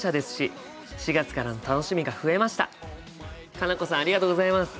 佳奈子さんありがとうございます。